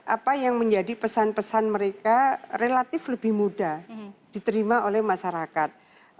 apa yang menjadi pesan pesan mereka relatif lebih mudah diterima oleh masyarakat